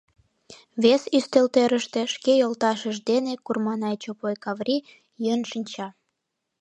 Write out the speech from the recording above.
Вес ӱстелтӧрыштӧ шке йолташышт дене Курманай Чопой Каври йӱын шинча.